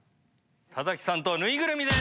田崎さんと縫いぐるみで。